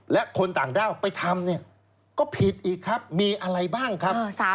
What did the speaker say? และคนต่างด้าวไปทำเนี่ยก็ผิดอีกครับมีอะไรบ้างครับ